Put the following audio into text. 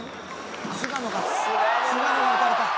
「菅野が菅野が打たれた」